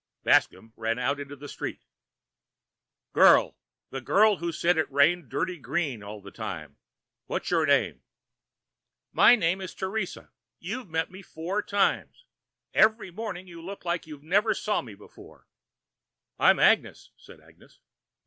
Bascomb ran out into the street. "Girl, the girl who said it rained dirty green all the time, what's your name?" "My name is Teresa. You've met me four times. Every morning you look like you never saw me before." "I'm Agnes," said Agnes.